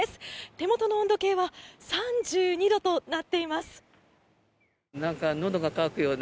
手元の温度計は３２度となっています。